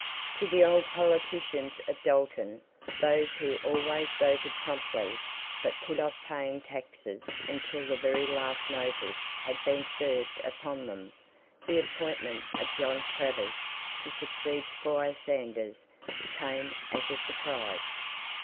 To the old politicians of Dalton, those who always voted promptly, but put off paying taxes until the very last notice had been served upon them, the appointment of John Travers to succeed Squire Sanders, came as a surprise.